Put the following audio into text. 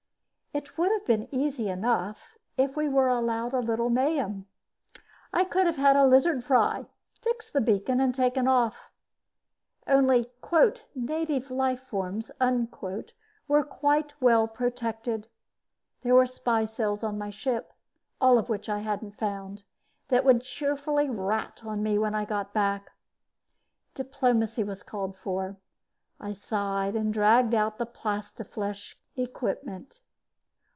It would have been easy enough if we were allowed a little mayhem. I could have had a lizard fry, fixed the beacon and taken off. Only "native life forms" were quite well protected. There were spy cells on my ship, all of which I hadn't found, that would cheerfully rat on me when I got back. Diplomacy was called for. I sighed and dragged out the plastiflesh equipment.